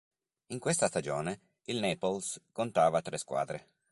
In questa stagione il Naples contava tre squadre.